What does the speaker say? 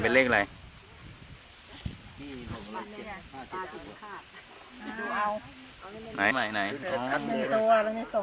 ยืนก็ได้ตามสะดวกเลยตามสะดวก